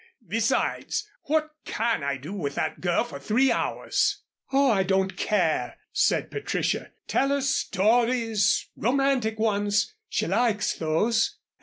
Besides, what can I do with that girl for three hours?" "Oh, I don't care," said Patricia. "Tell her stories romantic ones. She likes those.